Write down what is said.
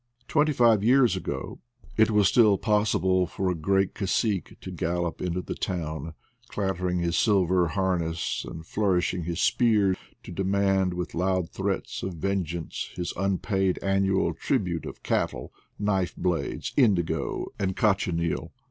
Twenty five years ago it was still possible for a great cacique to gallop into the town, clattering his silver harness and flour ishing his spear, to demand with loud threats of vengeance his unpaid annual tribute of cattle, knife blades, indigo, and cochineal.